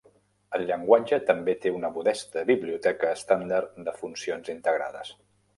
El llenguatge també te una modesta biblioteca estàndard de funcions integrades.